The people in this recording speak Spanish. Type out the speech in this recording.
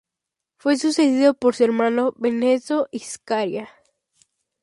Fue sucedido por su hermano, Benedetto I Zaccaria.